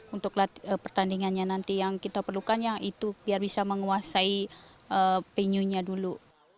untuk pertandingannya nanti yang kita perlukan yang itu biar bisa menguasai venue nya dulu